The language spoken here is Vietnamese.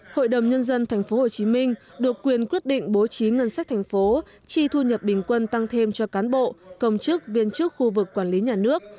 hội đồng nhân dân tp hcm được quyền quyết định bố trí ngân sách thành phố chi thu nhập bình quân tăng thêm cho cán bộ công chức viên chức khu vực quản lý nhà nước